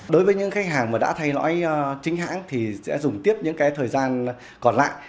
đối với những khách hàng mà đã thay lõi chính hãng thì sẽ dùng tiếp những cái thời gian còn lại